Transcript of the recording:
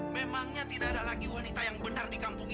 memangnya tidak ada lagi wanita yang benar di kampung ini